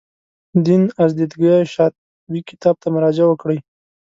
دین از دیدګاه شاطبي کتاب ته مراجعه وکړئ.